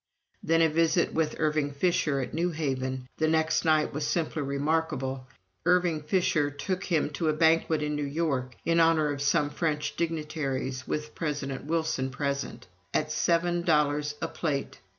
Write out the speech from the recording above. Then a visit with Irving Fisher at New Haven. The next night "was simply remarkable." Irving Fisher took him to a banquet in New York, in honor of some French dignitaries, with President Wilson present "at seven dollars a plate!"